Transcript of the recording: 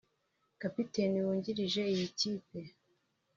Kapiteni wungirije w’iyi kipe